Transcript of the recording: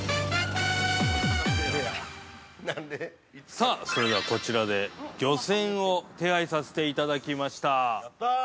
◆さあ、それではこちらで、漁船を手配させていただきました。